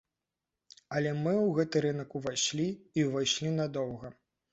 Але мы ў гэты рынак увайшлі, і ўвайшлі надоўга.